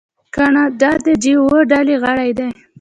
کاناډا د جي اوه ډلې غړی دی.